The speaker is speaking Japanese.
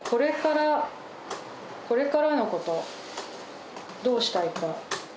これからのこと、どうしたいか。